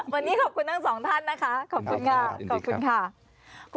วันนี้ขอบคุณทั้งสองท่านนะคะ